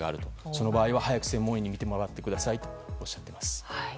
その場合は早く専門医に診てもらってくださいとおっしゃっています。